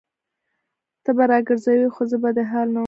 ته به راوګرځي خو زه به په دې حال نه وم